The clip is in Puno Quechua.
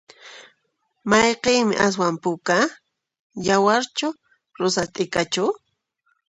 Mayqinmi aswan puka? yawarchu rosas t'ikachu?